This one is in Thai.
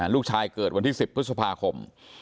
เกิดวันที่๑๐พฤษภาคม